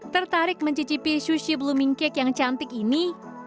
tertarik mencicipi sushi blooming cake yang cantik ini